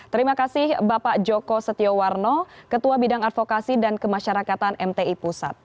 terima kasih bapak joko setiowarno ketua bidang advokasi dan kemasyarakatan mti pusat